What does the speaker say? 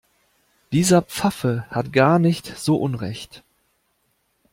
Dieser Pfaffe hat gar nicht so Unrecht.